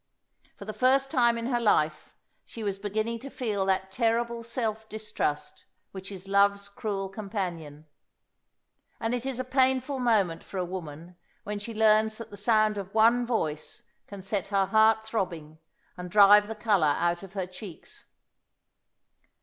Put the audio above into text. For the first time in her life she was beginning to feel that terrible self distrust which is love's cruel companion. And it is a painful moment for a woman when she learns that the sound of one voice can set her heart throbbing and drive the colour out of her cheeks.